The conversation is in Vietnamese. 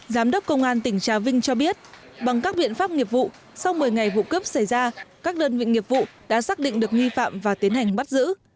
giám đốc công an tỉnh trà vinh cho biết bằng các biện pháp nghiệp vụ sau một mươi ngày vụ cướp xảy ra các đơn vị nghiệp vụ đã xác định được nghi phạm và tiến hành bắt giữ